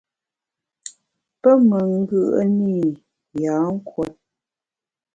Pe me ngùe’ne i yâ nkùot.